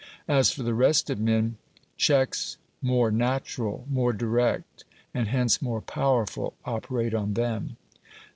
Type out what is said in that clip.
As for the rest of men, checks more natural, more direct and hence more powerful, operate on them.